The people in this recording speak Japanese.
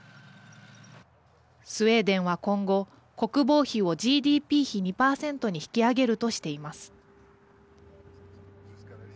スウェーデンは今後国防費をＧＤＰ比２％に引き上げるとしています。